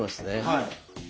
はい。